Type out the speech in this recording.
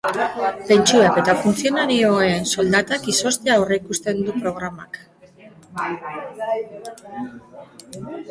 Pentsioak eta funtzionarioen soldatak izoztea aurreikusten du programak.